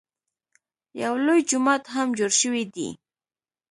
یو لوی جومات هم جوړ شوی دی.